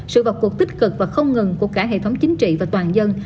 sự vật cuộc tích cực và không ngừng của cả hệ thống chính trị và toàn dân